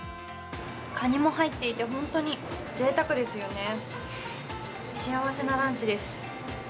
かにも入っていて本当にぜいたくですよね、幸せなランチです。